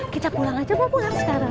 kita pulang aja mau pulang sekarang